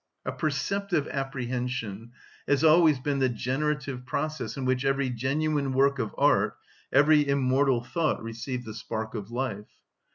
A perceptive apprehension has always been the generative process in which every genuine work of art, every immortal thought, received the spark of life.